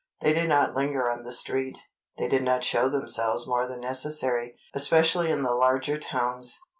They did not linger on the street, they did not show themselves more than necessary, especially in the larger towns.